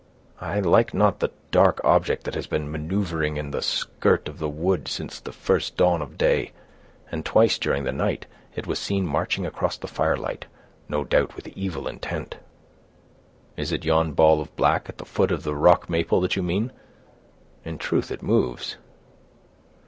"I like not the dark object that has been maneuvering in the skirt of the wood since the first dawn of day; and twice, during the night, it was seen marching across the firelight, no doubt with evil intent." "Is it yon ball of black, at the foot of the rock maple, that you mean? In truth it moves."